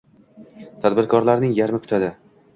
Tadbirkorlarning yarmi kutadi.